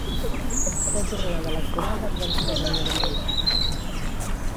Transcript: La jornada electoral va transcórrer amb normalitat.